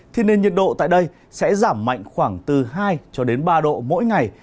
thì nên nhiệt độ tại đây sẽ giảm mạnh khoảng từ hai ba độ mỗi ngày